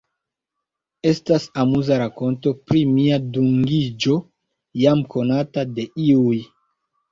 Estas amuza rakonto pri mia dungiĝo, jam konata de iuj.